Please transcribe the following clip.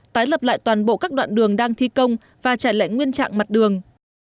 tái lập lại toàn bộ các đoạn đường đang thi công và trải lệ nguyên trạng mặt đường